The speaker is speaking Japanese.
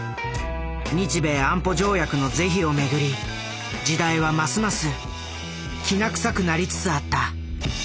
日米安保条約の是非を巡り時代はますますきな臭くなりつつあった。